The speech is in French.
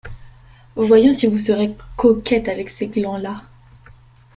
Voyons si vous serez coquette avec ces glands-là ?